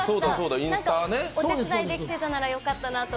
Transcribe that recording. お手伝いできてたならよかったなって。